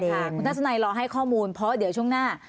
เดี๋ยวต้องพักก่อนค่ะคุณทัศนัยรอให้ข้อมูลเพราะเดี๋ยวช่วงหน้า